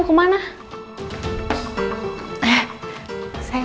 aku mau sama elsa sama neneng